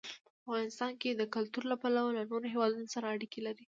افغانستان د کلتور له پلوه له نورو هېوادونو سره اړیکې لري.